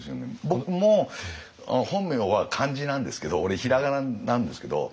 僕も本名は漢字なんですけど俺平仮名なんですけど。